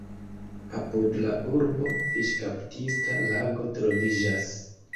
Apud la urbo fiŝkaptista lago troviĝas.